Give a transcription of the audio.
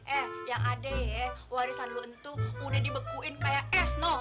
eh yang ada ye warisan lo itu udah dibekuin kayak es no